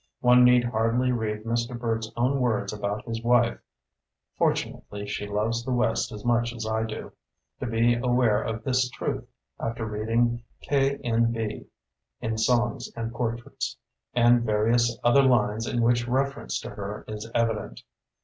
One need hardly read Mr. Burt's own words about his wife, "Fortunately she loves the west as much as I do", to be aware of this truth after reading "K N. B." (in "Songs and Portraits"), and various other lines in which reference to her is evident.